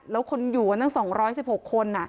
แล้วคนอยู่ทั้ง๒๑๖คน